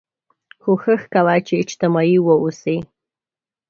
کوښښ کوه چې اجتماعي واوسې